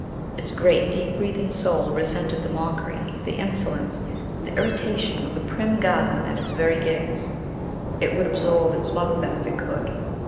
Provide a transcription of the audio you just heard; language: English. Its great, deep breathing soul resented the mockery, the insolence, the irritation of the prim garden at its very gates. It would absorb and smother them if it could.